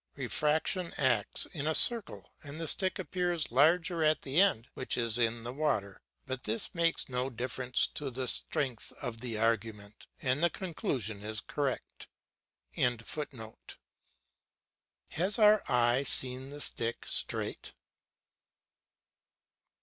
Refraction acts in a circle, and the stick appears larger at the end which is in the water, but this makes no difference to the strength of the argument, and the conclusion is correct.] the end near our eye exactly hides the other end. Has our eye set the stick straight?